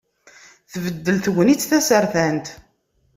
Tbeddel tegnit tasertant.